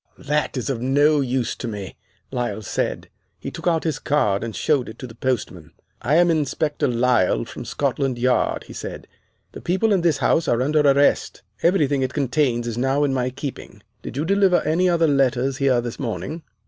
"'That is of no use to me,' Lyle said. He took out his card and showed it to the postman. 'I am Inspector Lyle from Scotland Yard,' he said. 'The people in this house are under arrest. Everything it contains is now in my keeping. Did you deliver any other letters here this morning!